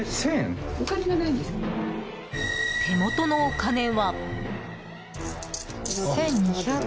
手元のお金は。